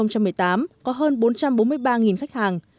năm hai nghìn một mươi tám có hơn bốn trăm bốn mươi ba khách hàng